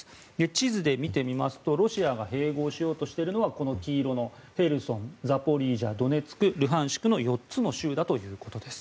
地図で見てみますと、ロシアが併合しようとしているのはこの黄色のヘルソン、ザポリージャドネツク、ルハンシクの４つの州だということです。